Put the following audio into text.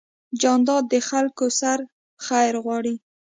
جانداد د خلکو سره خیر غواړي.